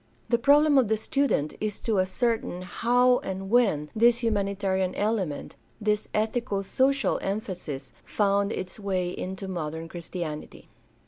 The problem of the student is to ascertain how and when this humanitarian element, this ethico social emphasis, found its way into modern Christianity.